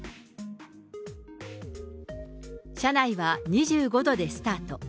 車内は２５度でスタート。